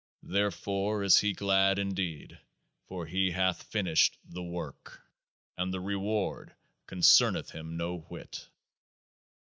Therefore is he glad indeed ; for he hath finished THE WORK ; and the reward concerneth him no whit.